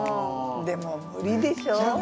でも無理でしょ？